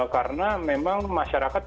karena memang masyarakat